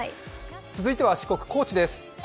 続いては四国・高知です。